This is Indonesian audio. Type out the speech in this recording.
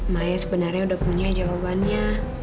saya sebenarnya sudah punya jawabannya